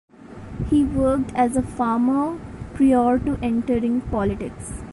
He worked as a farmer prior to entering politics.